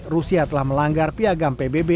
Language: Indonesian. rusia telah melanggar piagam pbb